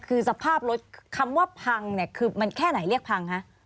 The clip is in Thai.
คือสภาพรถคำว่าพังเนี่ยคือมันแค่ไหนเรียกพังคะ